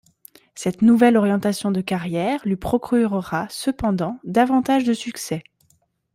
Cette nouvelle orientation de carrière lui procurera cependant davantage de succès.